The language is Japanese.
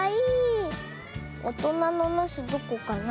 おとなのなすどこかな？